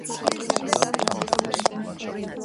ბევრი მათგანი გერმანიაში, ბამბერგში გადასახლდა.